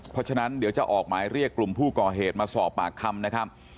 เพราะฉะนั้นเดี๋ยวจะออกหมายเรียกกลุ่มผู้ก่อเหตุมาสอบปากคำนะครับ